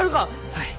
はい。